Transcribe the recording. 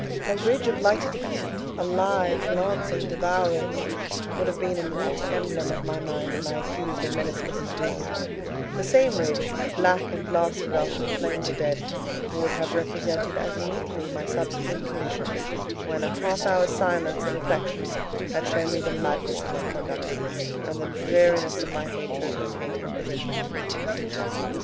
A ridge of lighted heath, alive, glancing, devouring, would have been a meet emblem of my mind when I accused and menaced Mrs. Reed: the same ridge, black and blasted after the flames are dead, would have represented as meetly my subsequent condition, when half an hour's silence and reflection had shown me the madness of my conduct, and the dreariness of my hated and hating position.